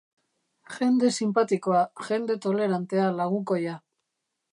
Jende sinpatikoa, jende tolerantea, lagunkoia.